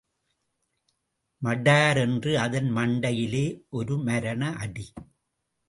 மடாரென்று அதன் மண்டையிலே ஒரு மரண அடி.